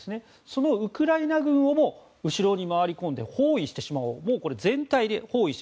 そのウクライナ軍をも後ろに回り込んで、全体で包囲してしまおう。